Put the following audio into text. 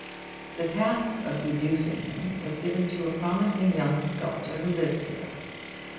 The task of educing him was given to a promising young sculptor who lived here.